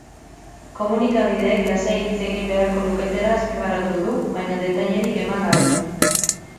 Komunikabideek lasai hitz egin beharko luketela azpimarratu du, baina detailerik eman gabe.